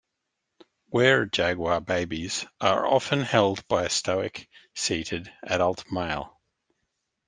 Were-jaguar babies are often held by a stoic, seated adult male.